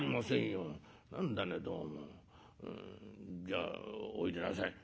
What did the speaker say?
じゃあおいでなさい」。